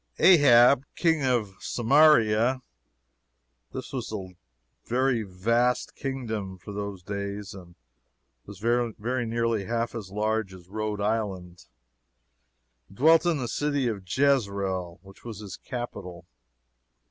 Ahab, King of Samaria, (this was a very vast kingdom, for those days, and was very nearly half as large as Rhode Island) dwelt in the city of Jezreel, which was his capital.